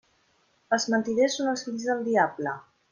Els mentiders són els fills del diable.